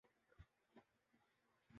کے لئے خرابیٔ موسم ہے۔